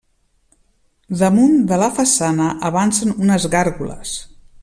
Damunt de la façana avancen unes gàrgoles.